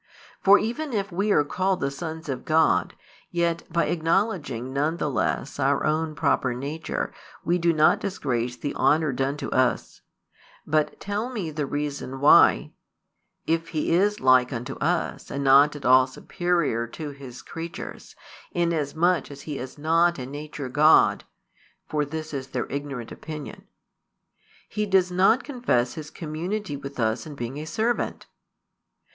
For even if we are called the sons of God, yet by acknowledging none the less our own proper nature we do not disgrace the honour done to us: but tell me the reason why if He is like unto us and not at all superior to His creatures, inasmuch as He is not in nature God (for this is their ignorant opinion) He does not confess His community with us in being a servant?